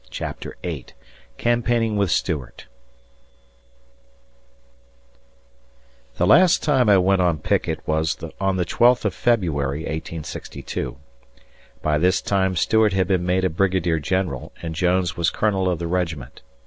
CHAPTER VIII CAMPAIGNING WITH STUART THE last time I went on picket was on the 12th of February (1862). By this time Stuart had been made a brigadier general, and Jones was colonel of the regiment.